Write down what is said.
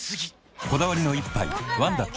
こだわりの一杯「ワンダ極」